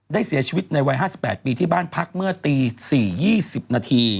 เสียชีวิตในวัย๕๘ปีที่บ้านพักเมื่อตี๔๒๐นาที